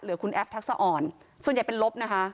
คุณแอฟทักษะอ่อนส่วนใหญ่เป็นลบนะคะ